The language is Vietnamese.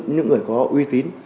những người có uy tín